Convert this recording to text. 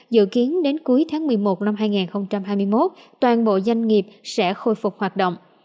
dự kiến đến cuối tháng một mươi một năm hai nghìn hai mươi một toàn bộ doanh nghiệp sẽ khôi phục hoạt động